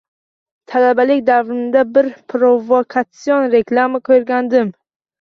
Talabalik davrlarimda bir provokatsion reklama koʻrgandim.